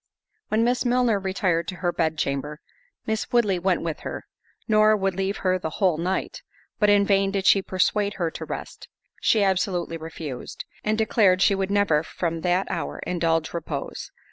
When Miss Milner retired to her bed chamber, Miss Woodley went with her, nor would leave her the whole night—but in vain did she persuade her to rest—she absolutely refused; and declared she would never, from that hour, indulge repose.